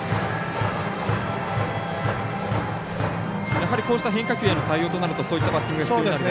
やはり、こうした変化球への対応としてはそういったバッティングが必用になりますか。